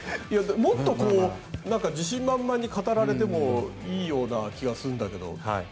もっと、自信満々に語られてもいいような気がするんだけど。